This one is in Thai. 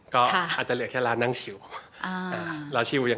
ก็อาจจะเหลือแค่ร้านนั่งชิว